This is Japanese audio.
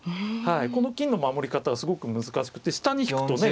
この金の守り方はすごく難しくて下に引くとね